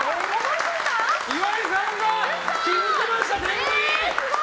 岩井さんが気付きました天狗に！